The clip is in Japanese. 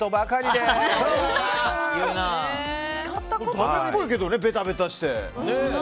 だめっぽいけどねベタベタして。